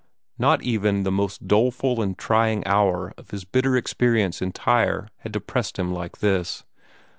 Not even the most doleful and trying hour of his bitter experience in Tyre had depressed him like this.